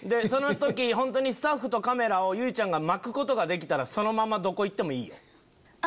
その時スタッフとカメラを由衣ちゃんまくことができたらそのままどこ行ってもいいよ。